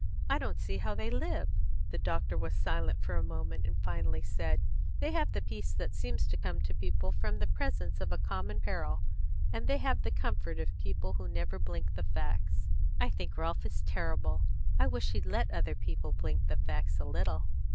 I don't see how they live!" The doctor was silent for a moment, and finally said: "They have the peace that seems to come to people from the presence of a common peril, and they have the comfort of people who never blink the facts." "I think Ralph is terrible. I wish he'd let other people blink the facts a little."